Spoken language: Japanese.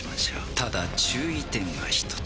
ただ注意点が一つ。